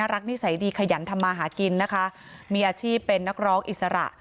นิสัยดีขยันทำมาหากินนะคะมีอาชีพเป็นนักร้องอิสระ